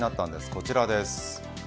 こちらです。